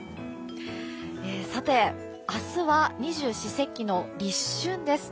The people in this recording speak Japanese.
さて、明日は二十四節気の立春です。